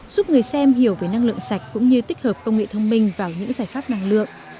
giúp người xem hiểu về năng lượng sạch cũng như tích hợp công nghệ thông minh vào những giải pháp năng lượng